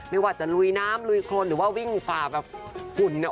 ไม่ว่าจะลุยน้ำลุยโครนหรือว่าวิ่งฝ่าแบบฝุ่นเนี่ย